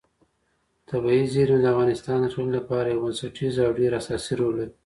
طبیعي زیرمې د افغانستان د ټولنې لپاره یو بنسټیز او ډېر اساسي رول لري.